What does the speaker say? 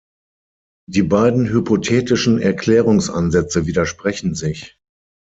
Die beiden hypothetischen Erklärungsansätze widersprechen sich.